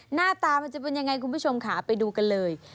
หน้าตามันจะเป็นยังไงคุณผู้ชมค่ะไปดูกันเลย